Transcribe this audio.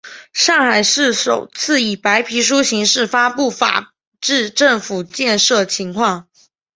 上海市首次以白皮书形式发布法治政府建设情况。